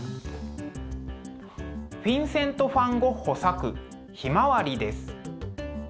フィンセント・ファン・ゴッホ作「ひまわり」です。